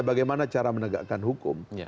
bagaimana cara menegakkan hukum